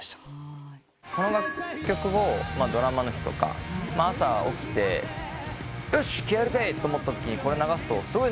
この楽曲をドラマの日とか朝起きて「よし気合入れて」と思ったときにこれ流すとすごい。